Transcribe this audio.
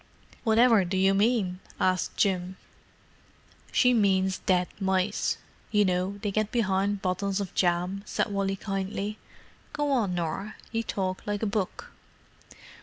"Whatever do you mean?" asked Jim. "She means dead mice—you know they get behind bottles of jam," said Wally kindly. "Go on, Nor, you talk like a book."